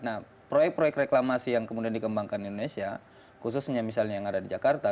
nah proyek proyek reklamasi yang kemudian dikembangkan di indonesia khususnya misalnya yang ada di jakarta